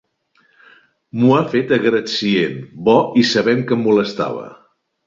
M'ho ha fet a gratcient, bo i sabent que em molestava.